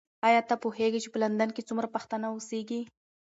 ایا ته پوهېږې چې په لندن کې څومره پښتانه اوسیږي؟